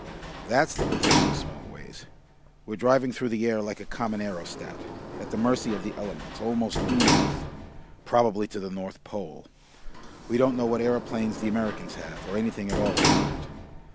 That's the position, Smallways. We're driving through the air like a common aerostat, at the mercy of the elements, almost due north probably to the North Pole. We don't know what aeroplanes the Americans have, or anything at all about it.